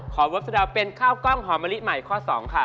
ขอเวิร์พทวดาวเป็นข้ากล้องหอมมะลิใหม่ค่า๒ค่ะ